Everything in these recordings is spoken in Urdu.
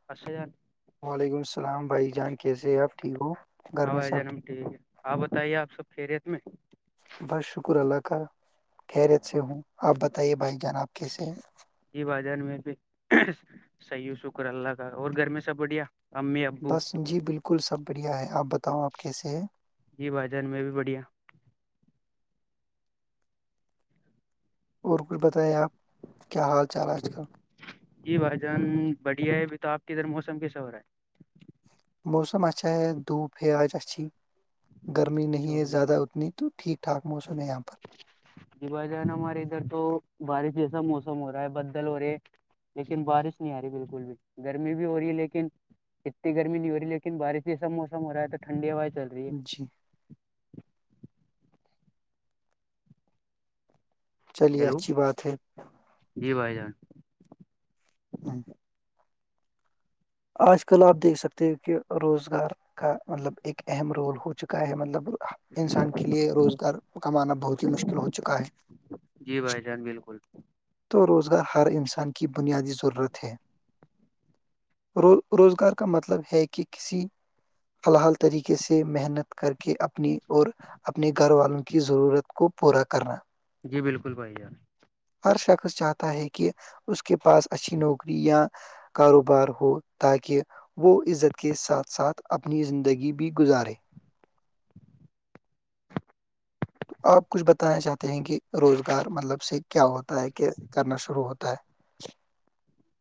[unintelligible] وعلیکم السلام بھائی جان کیسے ہے آپ ٹھیک ہو گھر ہاں میں بھائی جان سبھیک ہم ٹھیک ہے آپ بتائیے آپ سب خیریت میں بس شکر اللہ کا خیریت سے ہوں آپ بتائیے بھائی جانب کیسے ہیں یہی بازان میں بھی سیح شکر اللہ کا اور گھر میں سب بڑھیا امی ابو بس جی بالکل سب بڑھیا ہے آپ بتاؤں آپ کیسے ہیں جی بھائی جان میں بھی بڑھیا اور کچھ بتائیںے آپ کیا حال چال ہے آج کل جی بھائی جان بڑھیا ہے ابھی تو آپ کے ادھر موسم کیسا ہو رہا ہے موسم اچھا ہے دھوپ ہے آج اچھی گرمی اچھا نہیں ہے بھائی جان زیادہ اتنی تو ٹھیک ٹھاک موسم ہے یہاں پر ج بائی جانا ہمارے ادھر تو بارش جیسا موسم ہو رہا ہے بدل ہو رہے لیکن بارش نہیں آ رہی بالکل بھی گرمی بھی ہو رہی ہے لیکن اتنی گرمی نہیں ہو رہی ہے لیکن بارش جیسا موسم ہو رہا ہے تو ٹنڈی ہوا چل رہی ہے جی چلیے ہیلو اچھی بات ہے جی بھائی جان ہاں آج کل آپ دیکھ سکتے ہو کہ روزگار کا مطلب ایک اہم رول ہو چکا ہے مطلب انسان کے لیے روزگار کمانا بہت ہی مشکل ہو چکا ہے جی بھائی جان بالکل تو روزگار ہر انسان کی بنیادی ضرورت ہے رو روزگار کا مطلب ہے کہ کسی حلال طریقے سے محنت کر کے اپنی اور اپنے گھر والوں کی ضرورت کو پورا کرنا جی بالکل بھائی جان ہر شخص چاہتا ہے کہ اس کے پاس اچھی نوکری یا کاروبار ہو تاکہ وہ عزت کے ساتھ ساتھ اپنی زندگی بھی گزارے تو آپ کچھ بتانا چاہتے ہیں کہ روزگار مطلب سے کیا ہوتا ہے کہ کرنا شروع ہوتا ہے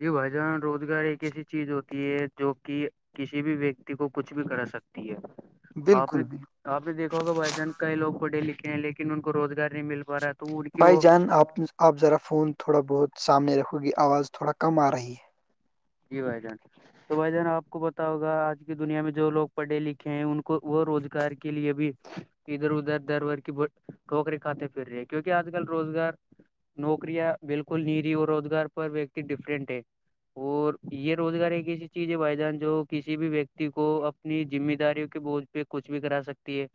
جی بھائی جان روزگار ایک ایسی چیز ہوتی ہے جو کہ کسی بھی ویکتی کو کچھ بھی کرا سکتی ہے ہے آپ نے بالکل بالکل آپ نے دیکھا ہوگا بھائی جان کئی لوگ پڑھے لکھے ہیں لیکن ان کو روزگار نہیں مل پا رہا تو ان کی بھائی وہ جان آپ آپ ذرا فون تھوڑا بہت سامنے رکھو گی آواز تھوڑا کم آ رہی ہے جی بھائی جان تو بھائی جان آپ کو بتاؤ ہوگا آج کی دنیا میں جو لوگ پڑھے لکھے ہیں ان کو وہ روزگار کے لیے بھی ادھر ادھر در بدر کی ٹھوکریں کھاتے پھر رہے ہیں کیونکہ آج کل روزگار نوکریاں بالکل نیری اور روزگار پر ویکتی ڈفرینٹ ہے اور یہ روزگار ایک ایسی چیز ہے بھائی جان جو کسی بھی ویکتی کو اپنی ذمہ داری کے بوجھ پہ کچھ بھی کرا سکتی ہے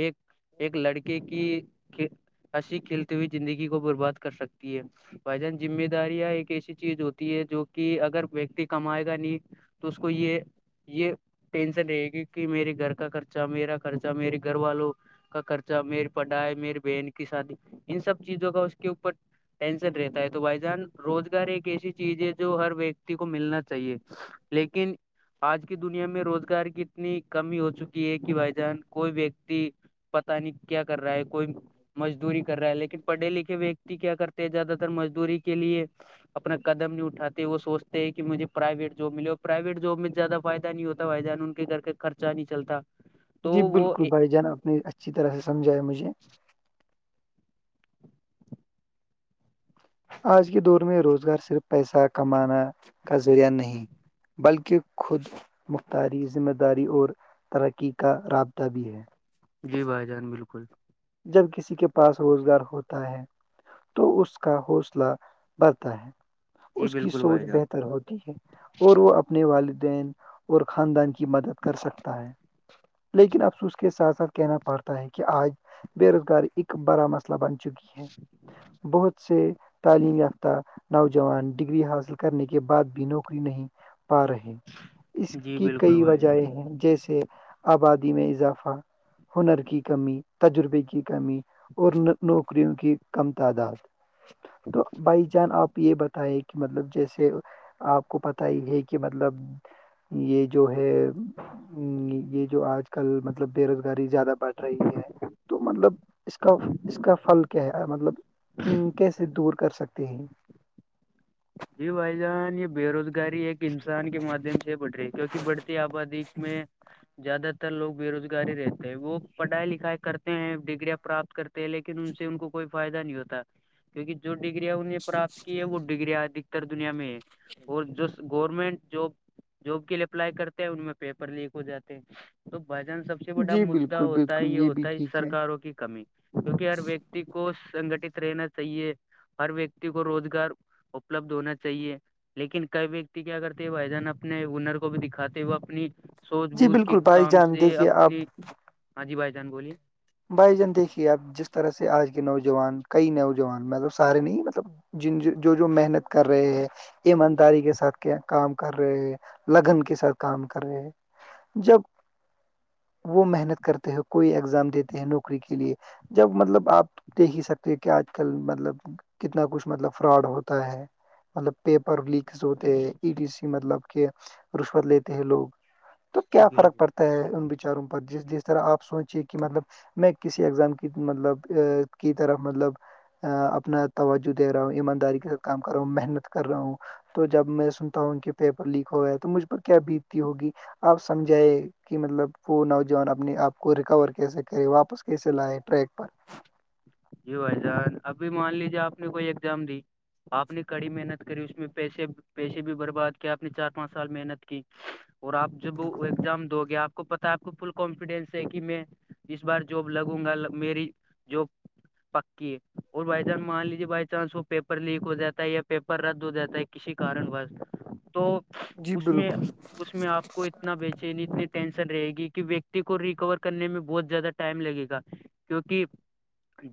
ایک ایک لڑکے کی ہنسی کھیلتے ہوئے زندگی کو برباد کر سکتی ہے بھائی جان ذمہ داریاں ایک ایسی چیز ہوتی ہے جو کہ اگر ویکتی کمائے گا نہیں تو اس کو یہ یہ ٹینشن رہے گی کہ میرے گھر کا خرچہ میرا خرچہ میرے گھر والوں کا خرچہ میری پڑھائی میری بہن کی شادی ان سب چیزوں کا اس کے اوپر ٹینشن رہتا ہے تو بھائی جان روزگار ایک ایسی چیز ہے جو ہر ویکتی کو ملنا چاہیے لیکن آج کی دنیا میں روزگار کی اتنی کمی ہو چکی ہے کہ بھائی جان کوئی ویکتی پتا نہیں کیا کر رہا ہے کوئی مزدوری کر رہا ہے لیکن پڑھے لکھے ویکتی کیا کرتے ہیں زیادہ تر مزدوری کے لیے اپنا قدم نہیں اٹھاتا وہ سوچتے ہیں کہ مجھے پرائیویٹ جاب ملے اور پرائیویٹ جاب میں زیادہ فائدہ نہیں ہوتا بھائی جان ان کے گھر کا خرچہ نہیں چلتا تو جی وہ بالکل اے- بھائی جان آپ نے اچھی طرح سے سمجھایا مجھے آج کے دور میں روزگار صرف پیسہ کمانا کا ذریعہ نہیں بلکہ خود مختاری ذمہ داری اور ترقی کا رابطہ بھی ہے جی بھائی جان بالکل جب کسی کے پاس روزگار ہوتا ہے تو اس کا حوصلہ بڑھتا ہے جی اس کی بالکل سوچ بھائی جان بہتر ہوتی یک اور وہ اپنے والدین اور خاندان کی مدد کر سکتا ہے لیکن افسو اس کے ساتھ ساتھ کہنا پڑتا ہے کہ آج بے روزگاری ایک بڑا مسئلہ بن چکی ہے بہت سے تعلیم یافتہ نوجوان ڈگری حاصل کرنے کے بعد بھی نوکری نہیں پا رہے اس جی کی بالکل کئی بھائی وجہ جان ہیں جیسے آبادی میں اضافہ ہنر کی کمی تجربے کی کمی اور نوکریوں کی کم تعداد تو بائی چان آپ یہ بت ہے کہ مطلب جیسے آپ کو پت ہی ہے کہ مطلب یہ جو ہے یہ جو آج کل م مطلب بے روزگاری زیادہ بڑھ رہی ہے تو مطلب اس کا اس کا پھل کیا ہے مطلب کیسے دور کر سکتے ہیں جی بھائی جان یہ بے روزگاری ایک انسان کے مادھیم سے بڑھ رہی ہے کیکہ کی بڑھتی آبادی میں زیادہ تر لوگ بے روزگاری رہتے ہیں وہ پڑھائی لکھائی کرتے ہیں ڈگریاں پراپت کر لیکن ان سے ان کوئی فائدہ نہیں ہوتا کیونکہ جو ڈگریاں انہ نے پراپت کی ہے وہ ڈگگریاںد اتر دنیا میں اور جو گورنمنٹ جو جاب کے لیے اپلائی کرتے ہیں ان میں پیپر لیک ہو جاتے ہیں تو بھجان سب سے بڑا جی مدا بالکل ہوتا ہے بالکل یہ بھی ہوتا ہے ٹھیک سرکوں کی کمی کیونکہ ہر ویکتی کو سنگٹت رہنا چاہیے ہر ویکتی کو روزگار اپلبد ہونا چاہیے لیکن کئی ویکتی کیا کرتے بائی جان اپنے ونر کو بھی دکھاتے وہ اپنی سوچھ جی بوجھ کے بالکل بھائی کام جان سے دیکھیے آپ اپنی ہاں جی بھائی جان بولیے بھائی جان دیکھیے آپ جس طرح سے آج کے نوجوان کئی نوجوان مطلب سارے نہیں مطلب جن جو جو محنت کر رہے ہیں ایمانداری کے ساتھ کیا کام کر رہے ہیں لگن کے ساتھ کام کر رہے ہیں جب وہ محنت کرتے ہو کوئی ایگزام دیتے نوکری کے لیے جب مطلب آپ دیکھ ہی سکتے ہیں کہ آج کل مطلب کتنا کچھ مطلب فراڈ ہوتا ہے مطلب پیپر لیک سوتے ای ٹی سی مطلب کہ رشوت لیتے ہیں لوگ تو کیا فرق بالکل پڑتا ان بیچاروں پر جس جس طرح آپ سوچیے کہ مطلب میں کسی اگزام کی مطلب کی طرح مطلب اپنا توجہ دے رہا ہوں ایمانداری کے ساتھ کام کر رہا ہوں محنت کر رہا ہوں تو جب میں سنتا ہوں کہ پیپر لیک ہو گا ہے تو مجھ پر کیا بیتی ہوگی آپ سمجھائے کہ مطلب وہ نوجوان اپنے آپ کو ریکور کی سکتے کرے واپس کیسے لائے ٹریک پر یہی بھائی جان ابھی مان لیجیے آپ نے کوئی ایگزام دی آپ نے کڑی محنت کری اس میں پیسے پیسے بھی برباد کیا آپ نے چار پانچ سال محنت کی اور آپ جب ایگزام دو گے آپ کو پتا آپ کو فل کانفیڈینس ہے کہ میں اس بار جاب لگوں گا میری جاب پکی ہے اور بائی چانس مان لیجیے بائی چانس وہ پیپر لیک ہو جاتا ہے یا پیپر رد ہو جاتا ہے کسی کارن بس تو جی اس میں بالکل اس میں آپ کو اتنا بیچےین اتنی ٹینشن رہے گی کہ ویکتی کو ریکور کرنے میں بہت زیادہ ٹائم لگے گا کیونکہ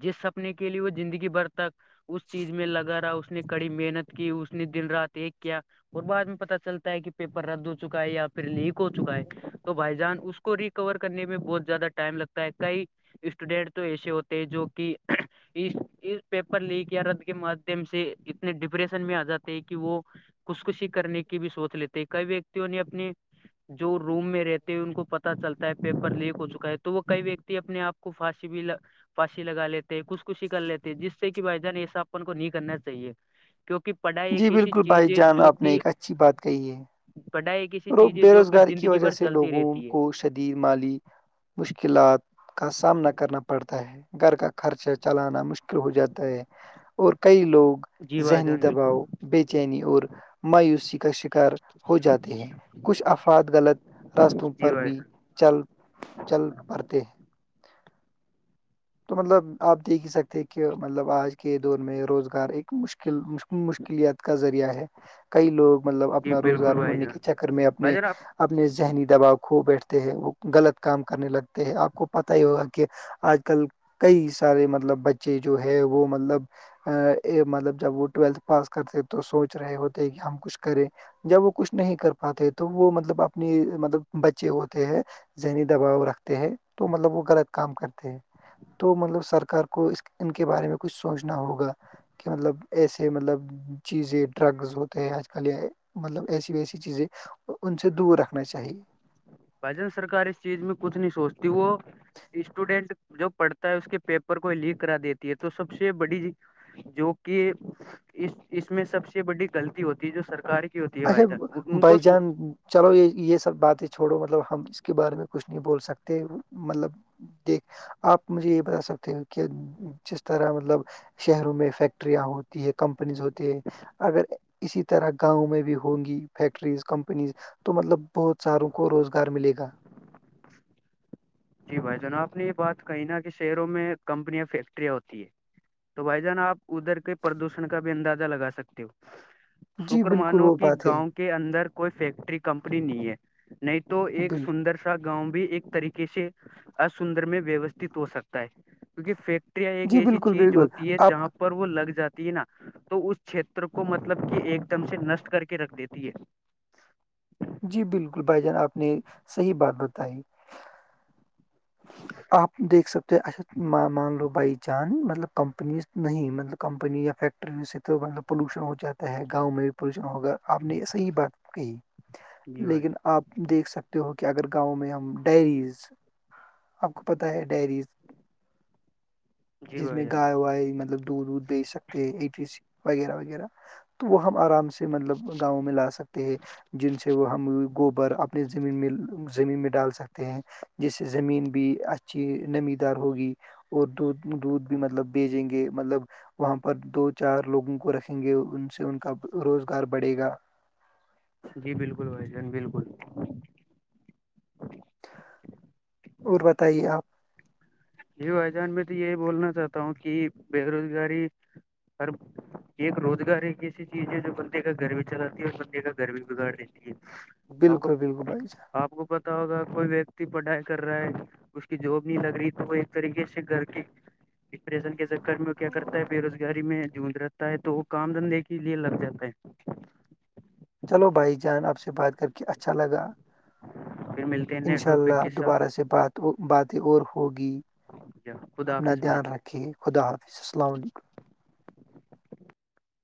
جس سپنے کے لیے وہ زندگی بھر تک اس چیز میں لگا رہا اس نے کڑی محنت کی اس نے دن رات ایک کیا اور بعد میں پتا چلتا ہے کہ پیپر رد ہو چکا ہے یا پھر لیک ہو چکا ہے بھائی جان اس کو ریکور کرنے میں بہت زیادہ ٹائم لگتا ہے کئی اسٹوڈینٹ تو ایسے ہو ت جو کہ اس اس پیپر لیک یا رد کے مادھیم سے اتنے ڈپریشن میں آ جاتے ہیں کہ وہ خش کشی کرنے کی بھی سوچ لیتے ہیں کئی ویکتیوں نے اپنے جو روم میں رہتے ہیں ان کو پتا چلتا ہے پیپر لیک ہو چکا ہے تو وہ کئی و اپنے آپ کو پھانسی بھی پھسی لگا لیتے خش کشی کر لیتے جس سے کہ بھائی جان ایسا ن کو نہیں کرنا چاہیے کیونک پڑھائی جی ایک ایسی بالکل بھائی چیز ہے جان جو آپ نے کہ ایک اچھی بات کہی ہے پھائی بے روزگاری کی وجہ سے لوگوں رہتی ہے کو شدید مالی مشکلات کا سامنا کرنا پڑتا ہے گھر کا خرچہ چلانا مشکل ہو جاتا ہے اور کئی لوگ جی بھائی ذہنی جان بالکل دباؤ بے چینی اور مایوسی کا شکار ہو جاتے ہیں کچھ افاد غلط راستوں جی پر بھائی بھی چل چل پڑتے ہیں تو مطلب آپ دیکھ ہی سکتے ہیں کہ مطلب آج کے دور میں روزگار ایک مشکل مل مشکلت کا ذریعہ ہے کئی لوگ مطلب جی اپنا روزگار بالکل بھائی ڈھونڈنے جان کے چکر میں اپنے بھائی اپنے ذہنی دباؤ کھو بیٹھتے ہیں وہ غلط کام کرنے لگتے ہیں آپ کو پت ہی ہوگا کہ آج کل کئی سارے مطلب بچے جو ہے وہ مطلب مطلب جب وہ ٹویلتھ پاس کرتے تو سوچ رہے ہوتے کہ ہم کچھ کریں جب وہ کچھ نہیں کر پاتے تو وہ مطلب اپنی مطلب بچے ہوتے ہیں ذہنی دباؤ رکھتے ہیں تو مطلب وہ غلط کام کرتے ہیں تو مطلب سرکار کو اس ان کے بارے میں کچھ سوچنا ہوگا کہ مطلب ایسے مطلب چیزیں ڈرگز ہوتے ہیں آج کل یہ مطلب ایسی ویسی چیزیں ان سے دور رکھنا چاہیے بھجن سرکار اس چیز میں کچھ نہیں سوچتی وہ اسٹوڈینٹ جو پڑھتا ہے اس کے پیپر کو لیک کرا دیتی ہے تو سب سے بڑی جو کہ اس اس میں سب سے بڑی غلطی ہوتی ہے جو سرکاری اچھا بائی جان چلو یہ یہ سب باتیں چھوڑو مطلب ہم اس کے بارے میں کچھ نہیں بول سکتے مطلب دیک آپ مجھے یہ بتا سکتے کہ جس طرح مطلب شہروں میں فیکٹریاں ہو کمپنیز ہوتی ہے اگر اسی طرح گاؤں میں بھی ہوں گی فیکٹریز کمپنیز تو مطلب بہت ساروں کو روزگار ملے گا [unintelligible] جی بھائی جناب آپ نے یہ بات کہی نا کہ شہروں میں کمپنیاں فیکٹریاں ہوتی ہے تو بھائی جان آپ ادھر کے پردوشن کا بھی اندازہ لگا سکتے ہو جی شکر بالکل مانو وہ کی بات ہے گاؤں کے کے اندر کوئی فیکٹری کمپنی نہیں ہے نہیں تو ایک بال سندر سے گاؤں بھی ایک طریقے سے اسسندر میں ویوستھت ہو سکتا ہے کیکہ فیک ایک جی ایسی بالکل چیز بالکل ہوتی ہے آپ جہاں پر وہ لگ جاتی ہے نا تو اس چھیتر کو مطلب کہ ایک دم سے نشٹ کر کے رکھ دیتی ہے جی بالکل بھائی جان آپ نے صحیح بات بتائی آپ دیکھ سکتے ہیں اچھا مان لو بھائی چاند مطلب کمپنیز نہیں مطلب کمپنی یا فیکٹریوں سے تو مطلب پولوشن ہو جاتا ہے گاؤں میں پوشن ہوگا آپ نے صحی بات کہ جی بھائی لیکن آپ دیکھ سکتے ہو کہ اگر گاؤں میں ہم ڈائریز آپ کو پتہ ہے ڈائریز جی جس بھائی میں جان گائے وائے مطلب دودھ وودھ بیچ سکتے ہیں ای وغیرہ وغیرہ تو وہ ہم آرام سے مطلب گاؤں میں لا سکتے ہیں جن سے وہ ہم گوبر اپنی زمین میں زمین میں ڈال سکتے ہیں جس سے زمین بھی اچھی نمی دار ہوگی اور دودھ دودھ بھی مطلب بیجیں گے مطلب وہاں پر دو چار لوگوں کو رکھیں گے ان سے ان کا روزگار بڑھے گا جی بالکل بھائی جان بالکل اور بتائیے آپ جی بھائی جان میں تو یہی بولنا چاہتا ہوں کہ بے روزگاری اورر ایک روزگار ایک ایسی چیز ہے جو بندے کا گھر بھی چلاتی ہے اور بندے کا گھر بھی بگاڑ دے آپ کو بالکل بالکل بھائی جان آپ کو پتہ ہوگا کوئی ویکتی پڑھائی کر رہا ہے اس کی جاب نہیں لگ رہی تو کوئی طریقے سے گھر کے ڈپریشن کے چکر میں کیا کرتا ہے بے روزگاری میں جونج رہا ہے تو وہ کام دھندے کے لیے لگ جاتا ہے چلو بھائی جان آپ سے بات کر کے اچھا لگا پھر ملتے ہیں نئے انشاء ٹاپک اللہ کے ساتھ دوبارہ سے بات باتیں اور ہوگی خدا اپنا حافظ بھائی دھیان جان رکھے خدا حافظ السلام علیکم